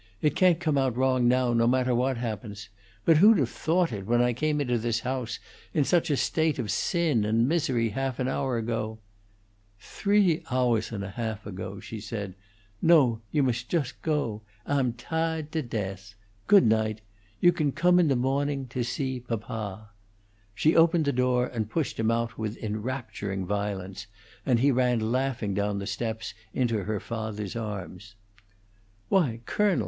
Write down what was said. "It can't come out wrong now, no matter what happens. But who'd have thought it, when I came into this house, in such a state of sin and misery, half an hour ago " "Three houahs and a half ago!" she said. "No! you most jost go. Ah'm tahed to death. Good night. You can come in the mawning to see papa." She opened the door and pushed him out with enrapturing violence, and he ran laughing down the steps into her father's arms. "Why, colonel!